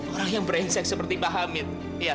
orang yang beresek seperti mbak hamid